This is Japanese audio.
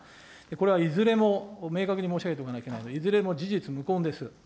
これはいずれも明確に申し上げておかなければいけないのは、いずれも事実無根です。